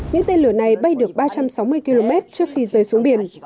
những tên lửa này bay được ba trăm sáu mươi km trước khi rơi xuống biển